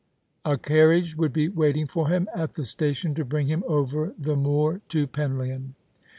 A carriage would be waiting for him at the station tq bring him over the moor to Penlyon.